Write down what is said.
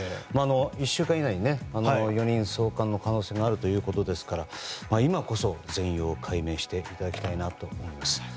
１週間以内に４人送還の可能性があるということですから今こそ、全容解明していただきたいなと思います。